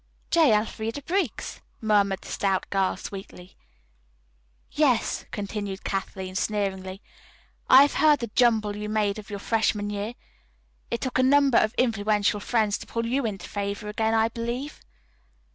"J. Elfreda Briggs," murmured the stout girl sweetly. "Yes," continued Kathleen sneeringly, "I have heard of the jumble you made of your freshman year. It took a number of influential friends to pull you into favor again, I believe."